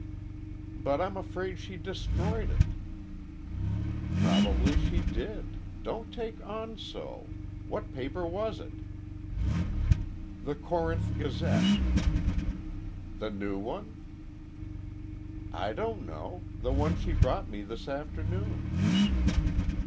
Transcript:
"But I'm afraid she destroyed it!" "Probably she did. Don't take on so. What paper was it?" "The Corinth Gazette." "The new one?" "I don't know. The one she brought me this afternoon."